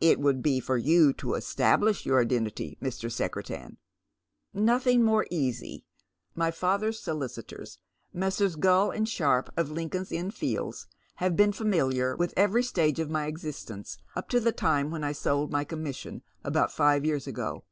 "It would be for you to establish your identity, Mr. Secretan." " Nothing more easy. My fathers solicitors, Messrs. Gull and Sharpe, of Lincoln's Inn Fields, have been familiar with every stage of my existence up to the time when I sold my commission, about five years ago.